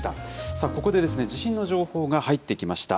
さあ、ここで地震の情報が入ってきました。